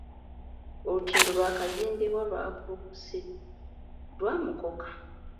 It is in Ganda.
Olutindo lwakazimbibwa lwakulukisiddwa mukokka.